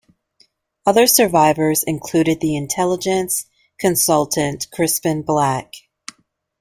Other survivors included the intelligence consultant Crispin Black.